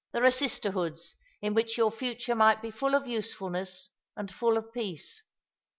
There are sisterhoods in which your future might be full of usefulness and full of peace.